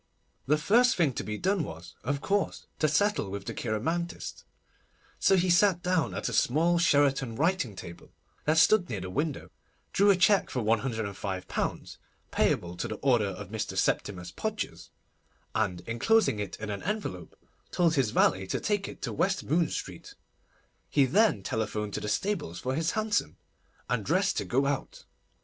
The first thing to be done was, of course, to settle with the cheiromantist; so he sat down at a small Sheraton writing table that stood near the window, drew a cheque for £105, payable to the order of Mr. Septimus Podgers, and, enclosing it in an envelope, told his valet to take it to West Moon Street. He then telephoned to the stables for his hansom, and dressed to go out.